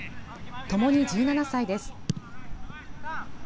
ともに１７歳です。